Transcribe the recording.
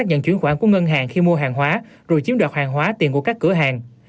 nhận chuyển khoản của ngân hàng khi mua hàng hóa rồi chiếm đoạt hàng hóa tiền của các cửa hàng